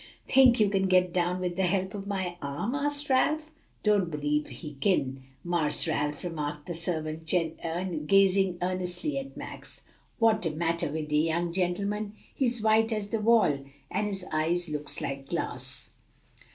"Think you can get down with the help of my arm?" asked Ralph. "Don't b'lieve he kin, Marse Ralph," remarked the servant, gazing earnestly at Max. "What's de mattah wid de young gentleman? He's white as de wall, and his eyes looks like glass."